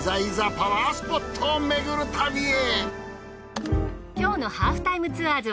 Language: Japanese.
パワースポットを巡る旅へ！